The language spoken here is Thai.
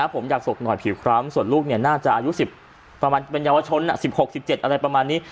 ผมอยากศกหน่อยผิวคล้ำส่วนลูกน่าจะอายุประมาณเป็นเยาวชน๑๖๑๗อะไรประมาณนี้